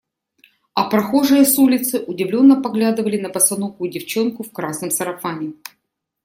А прохожие с улицы удивленно поглядывали на босоногую девчонку в красном сарафане.